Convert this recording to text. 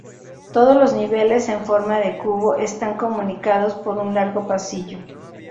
Todos los niveles en forma de cubo están comunicados por un largo pasillo.